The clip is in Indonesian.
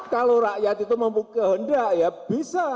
kalau rakyat itu mempunyai kehendak ya bisa